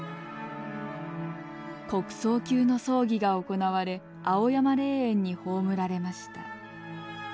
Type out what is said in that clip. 国葬級の葬儀が行われ青山霊園に葬られました。